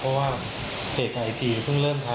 เพราะว่าเพจไอจีเพิ่งเริ่มทำ